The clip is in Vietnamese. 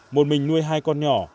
một mình nuôi hai con nhỏ